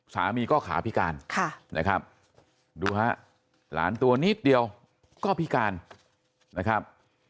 สามีก็ขาพิการนะครับดูฮะหลานตัวนิดเดียวก็พิการนะครับ